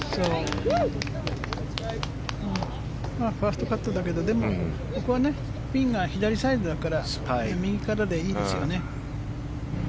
ファーストカットだけどここはピンが左サイドだから右からでいいですよね。